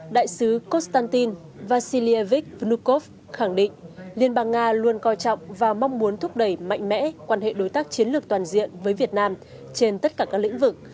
đại sứ konstantin vassilievich vnukov khẳng định liên bang nga luôn coi trọng và mong muốn thúc đẩy mạnh mẽ quan hệ đối tác chiến lược toàn diện với việt nam trên tất cả các lĩnh vực